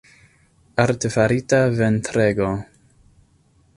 Artefarita ventrego.